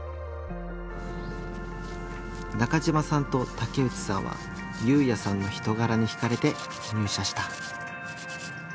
中嶋さんと竹内さんは侑弥さんの人柄にひかれて入社した。